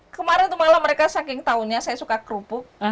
kemarin tuh malam mereka saking taunya saya suka kerupuk